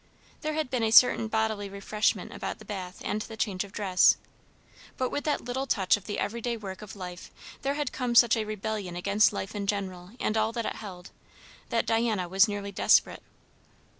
There had been a certain bodily refreshment about the bath and the change of dress, but with that little touch of the everyday work of life there had come such a rebellion against life in general and all that it held, that Diana was nearly desperate.